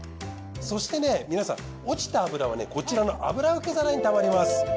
そして皆さん落ちた脂はこちらの油受け皿にたまります。